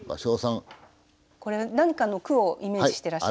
これ何かの句をイメージして。